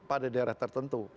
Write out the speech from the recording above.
pada daerah tertentu